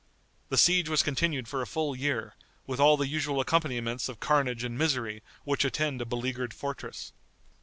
The siege was continued for a full year, with all the usual accompaniments of carnage and misery which attend a beleaguered fortress.